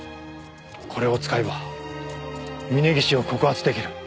これを使えば峰岸を告発出来る。